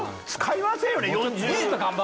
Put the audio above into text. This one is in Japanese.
使いませんよね。